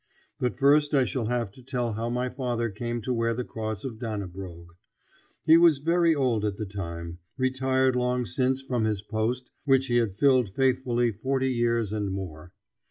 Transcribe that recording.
But first I shall have to tell how my father came to wear the cross of Dannebrog. He was very old at the time; retired long since from his post which he had filled faithfully forty years and more.